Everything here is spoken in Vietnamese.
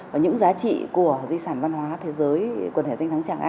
và những giá trị của di sản văn hóa thế giới